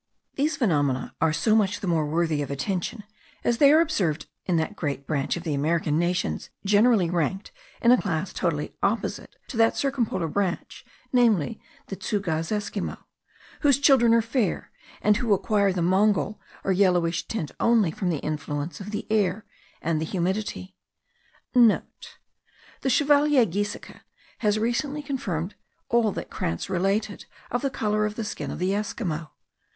These phenomena are so much the more worthy of attention as they are observed in that great branch of the American nations generally ranked in a class totally opposite to that circumpolar branch, namely the Tschougaz Esquimaux,* whose children are fair, and who acquire the Mongol or yellowish tint only from the influence of the air and the humidity. (* The Chevalier Gieseke has recently confirmed all that Krantz related of the colour of the skin of the Esquimaux.